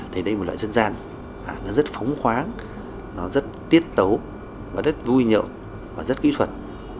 thầy đây là một loại dân gian rất phóng khoáng rất tiết tấu rất vui nhậu rất kỹ thuật